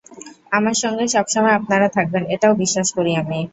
আমার সঙ্গে সব সময় আপনারা থাকবেন, এটাও বিশ্বাস করি আমি।